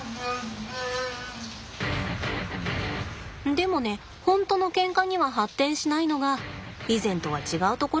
でもね本当のケンカには発展しないのが以前とは違うところなんだって。